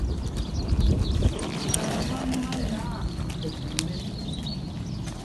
Pɛ máma nǎa tsɛt mbɛ́n.